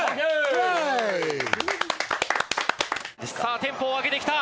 さぁテンポを上げてきた。